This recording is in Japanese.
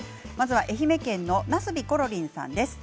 愛媛県の方からです。